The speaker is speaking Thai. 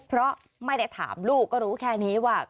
เพราะไม่ได้ถามลูกก็รู้แค่นี้ว่า